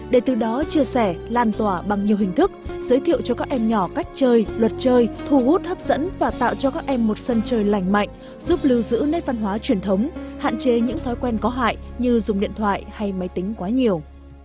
để từ đó chia sẻ lan tỏa bằng nhiều hình thức giới thiệu cho các em nhỏ cách chơi luật chơi thu hút hấp dẫn và tạo cho các em một sân chơi lành mạnh giúp lưu giữ nét văn hóa truyền thống hạn chế những thói quen có hại như dùng điện thoại hay máy tính quá nhiều